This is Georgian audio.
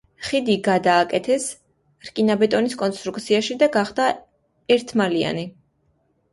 ხიდი გადააკეთეს რკინაბეტონის კონსტრუქციაში და გახდა ერთმალიანი.